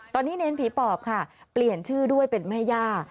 ตอนนี้เนรผีปอบค่ะเปลี่ยนชื่อด้วยเป็นแม่ย่า